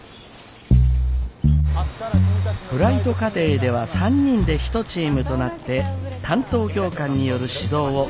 フライト課程では３人で一チームとなって担当教官による指導を受けます。